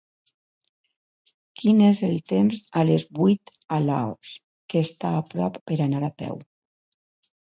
Quin és el tems a les vuit a Laos, que està a prop per anar a peu